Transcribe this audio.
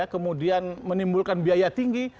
kemudian menimbulkan biaya tinggi